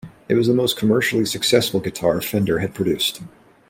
It was the most commercially successful guitar Fender had produced.